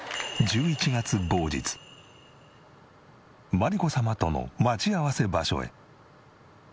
真理子様との待ち合わせ場所へ。